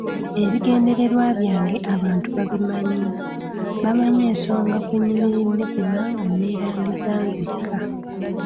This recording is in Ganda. Ebigenderewa byange abantu babimanyi, bamanyi ensonga kwenyimiridde kubanga nneerandiza nzekka.